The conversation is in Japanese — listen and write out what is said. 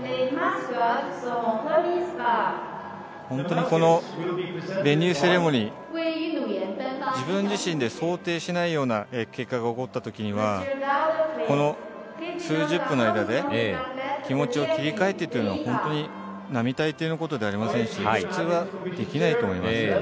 本当にこのセレモニー自分自身で想定しないような結果が起こった時にはこの数十分の間で気持ちを切り替えてというのは並大抵のことではありませんし普通はできないと思います。